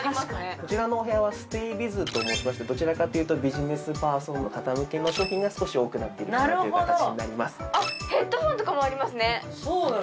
こちらのお部屋はＳＴＡＹＢＩＺと申しましてどちらかというとビジネスパーソンの方向けの商品が少し多くなっているかなという形になりますあっヘッドホンとかもありますね